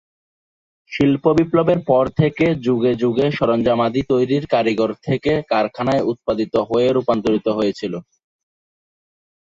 শিল্প বিপ্লবের পর থেকে যুগে যুগে সরঞ্জামাদি তৈরির কারিগর থেকে কারখানায় উৎপাদিত হয়ে রূপান্তরিত হয়েছিল।